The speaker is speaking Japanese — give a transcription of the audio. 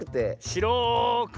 しろくて。